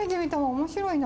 面白いな。